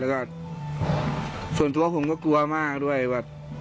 แล้วก็ส่วนตัวผมก็กลัวมากด้วยแบบ